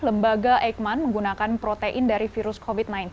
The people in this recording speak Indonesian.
lembaga eijkman menggunakan protein dari virus covid sembilan belas